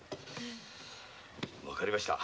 わかりました。